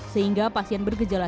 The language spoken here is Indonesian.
sehingga pasien bergejala